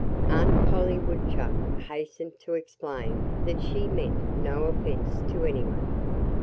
Aunt Polly Woodchuck hastened to explain that she meant no offense to anyone.